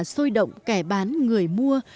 xôi động kẻ bán người mua